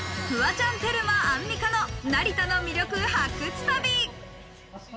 フワちゃん、テルマ、アンミカの成田の魅力発掘旅！